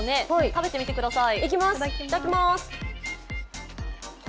食べてみてください。